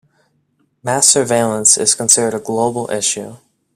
Mass surveillance is considered a global issue.